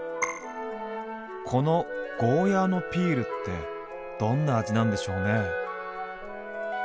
この「ゴーヤーのピール」ってどんな味なんでしょうね？